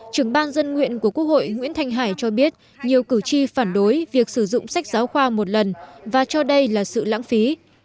trưởng ban dân nguyện của quốc hội nguyễn thanh hải cho biết nhiều cử tri phản đối việc sử dụng sách giáo khoa một lần và cho đây là sự lãng phí